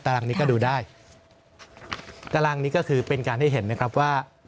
รังนี้ก็ดูได้ตารางนี้ก็คือเป็นการให้เห็นนะครับว่า